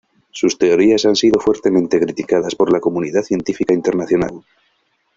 Su teorías han sido fuertemente criticadas por la comunidad científica internacional.